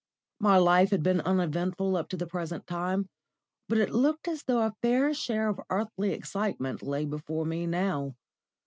My life had been uneventful up to the present time, but it looked as though a fair share of earthly excitement lay before me now.